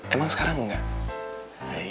emang sekarang enggak